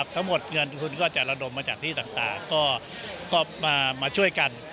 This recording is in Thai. ทั้งหมดเงินทุนก็จะระดมมาจากที่ต่างก็มาช่วยกัน